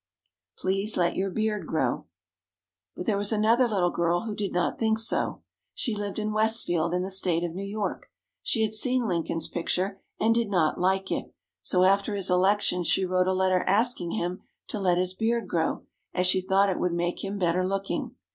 Please Let Your Beard Grow But there was another little girl who did not think so. She lived in Westfield, in the State of New York. She had seen Lincoln's picture, and did not like it; so after his election she wrote a letter asking him to let his beard grow, as she thought it would make him better looking.